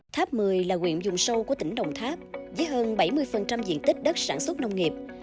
tháp mười là quyện dùng sâu của tỉnh đồng tháp với hơn bảy mươi diện tích đất sản xuất nông nghiệp